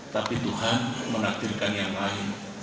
tapi tuhan menakdirkan yang lain